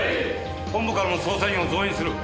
本部からも捜査員を増員する。